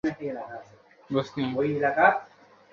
কত বড় সেনাদল!